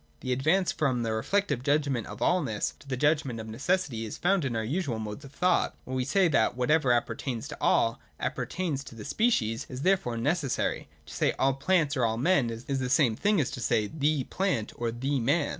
The advance from the reflective judgment of allness to the judgment of necessity is found in our usual modes of thought, when we say that whatever appertains to all, appertains to the species, and is therefore necessary. To say all plants, or all men, is the same thing as to say the plant, or the man.